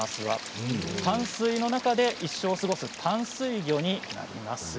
淡水の中で一生を過ごす淡水魚になります。